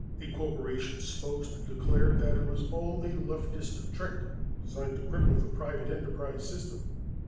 A corporation spokesman declared that it was all a leftist trick designed to cripple the private enterprise system.